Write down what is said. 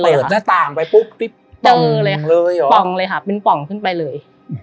คือเปิดหน้าต่างไปปุ๊บปลิ๊บปล่องเลยหรอปล่องเลยค่ะเป็นปล่องขึ้นไปเลย